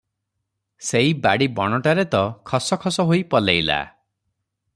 ସେଇ ବାଡ଼ି ବଣଟାରେ ତ ଖସ ଖସ ହୋଇ ପଲେଇଲା ।